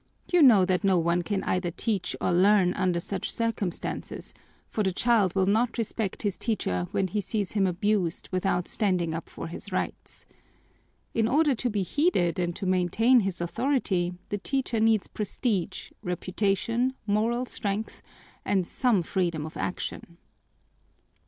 You know that no one can either teach or learn under such circumstances, for the child will not respect his teacher when he sees him abused without standing up for his rights. In order to be heeded and to maintain his authority the teacher needs prestige, reputation, moral strength, and some freedom of action.